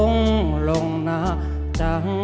เพลงพร้อมร้องได้ให้ล้าน